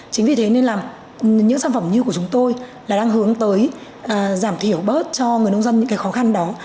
chính vì thế nên là những sản phẩm như của chúng tôi là đang hướng tới giảm thiểu bớt cho người nông dân những cái khó khăn đó